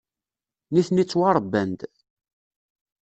Nitni ttwaṛebban-d.